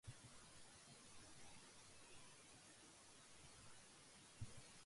نہ جانے کیوں وہ ایسا کرتے ہوئے کچھ شرماسا جاتے ہیں